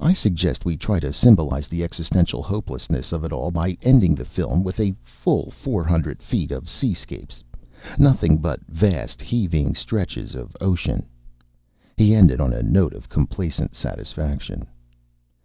I suggest we try to symbolize the Existentialist hopelessness of it all by ending the film with a full four hundred feet of seascapes nothing but vast, heaving stretches of ocean," he ended, on a note of complacent satisfaction.